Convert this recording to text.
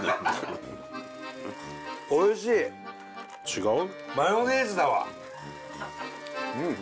違う？